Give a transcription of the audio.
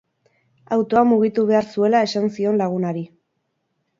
Autoa mugitu behar zuela esan zion lagunari.